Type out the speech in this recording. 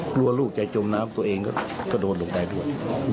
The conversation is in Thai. กลัวว่าลูกชายจมน้ำตัวเองก็โดดลงได้ด้วย